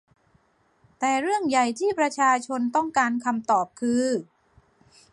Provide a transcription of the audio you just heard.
แต่เรื่องใหญ่ที่ประชาชนต้องการคำตอบ คือ